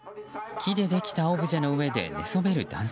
木でできたオブジェの上で寝そべる男性。